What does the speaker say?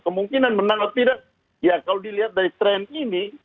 kemungkinan menang atau tidak ya kalau dilihat dari tren ini